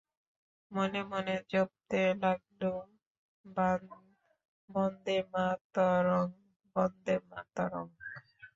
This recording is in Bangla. মনে মনে জপতে লাগলুম, বন্দেমাতরং, বন্দেমাতরং!